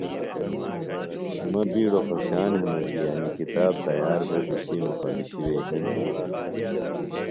مہ بیڈوۡ خوشان ہنوۡ کیۡ انیۡ کتاب تیار بھے تُسی مخدُشی وے ہِنیۡ۔